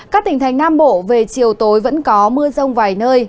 các tỉnh thành nam bộ về chiều tối vẫn có mưa rông vài nơi